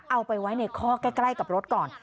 เอาไปไว้ในข้อใกล้กับรถก่อน